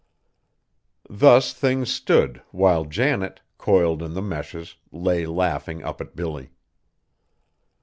Thus things stood while Janet, coiled in the meshes, lay laughing up at Billy.